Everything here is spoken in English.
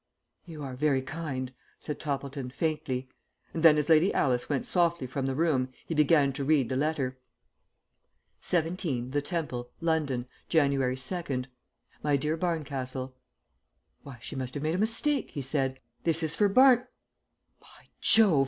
"You are very kind," said Toppleton, faintly; and then as Lady Alice went softly from the room he began to read the letter. "'17, The Temple, London, January 2nd. My dear Barncastle ' Why, she must have made a mistake," he said; "this is for Barn by Jove!